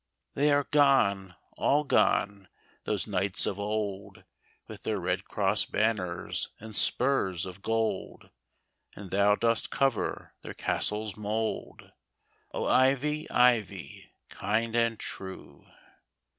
They are gone, all gone, those knights of old. With their red cross banners and spurs of gold. And thou dost cover their castle's mould, O, Ivy, Ivy, kind and true